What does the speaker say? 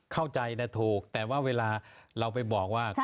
เข้าใจนะถูกแต่ว่าเวลาเราไปบอกว่า